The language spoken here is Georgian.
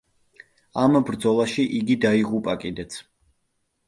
ამ ბრძოლაში იგი დაიღუპა კიდეც.